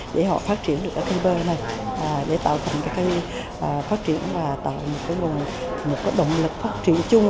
để họ phát triển được cây bơ này để tạo thành cái cây phát triển và tạo nguồn động lực phát triển chung